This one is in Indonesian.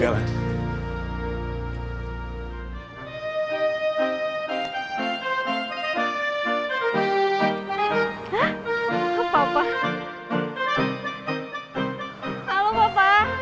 sekali lagi babu dari mama aa men miracles mama nama siapa